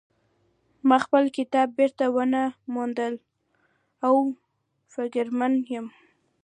ما خپل کتاب بیرته ونه مونده او فکرمن یم